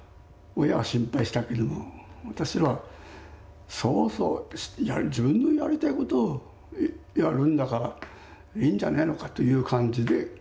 親は心配したけども私らはそうそう自分のやりたいことをやるんだからいいんじゃないのかという感じで見守っておりましたけどもね。